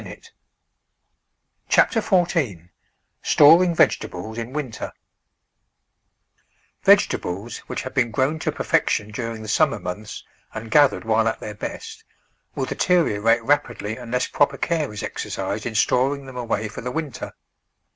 CHAPTER FOURTEEN STORING VEGETABLES IN WINTER V EGETABLES, wliicli have been gro^vn to perfection during the summer months and gathered while at their best, will deteriorate rapidly unless proper care is exercised in storing them away for the win ter.